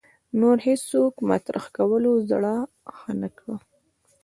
نور هېڅوک مطرح کولو زړه ښه نه کړي